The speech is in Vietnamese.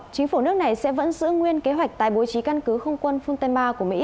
chính phủ nước này sẽ vẫn giữ nguyên kế hoạch tại bố trí căn cứ không quân funtema của mỹ